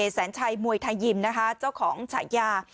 แสนชัยมวยไทยยิมนะคะเจ้าของฉายา